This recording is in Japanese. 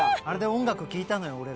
あれで音楽聴いたのよ